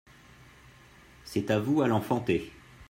C'est à vous à l'enfanter.